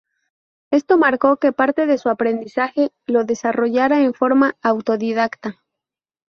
Esto marcó que parte de su aprendizaje lo desarrollara en forma autodidacta.